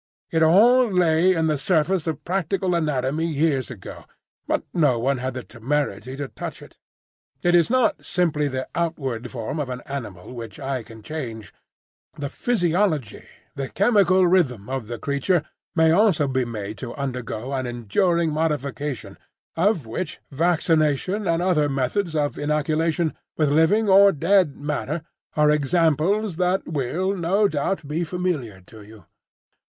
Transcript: It all lay in the surface of practical anatomy years ago, but no one had the temerity to touch it. It is not simply the outward form of an animal which I can change. The physiology, the chemical rhythm of the creature, may also be made to undergo an enduring modification,—of which vaccination and other methods of inoculation with living or dead matter are examples that will, no doubt, be familiar to you.